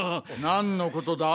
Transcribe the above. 何のことだ！